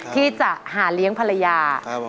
ที่จะหาเลี้ยงภรรยา